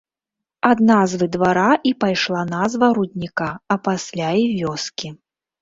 Ад назвы двара і пайшла назва рудніка, а пасля і вёскі.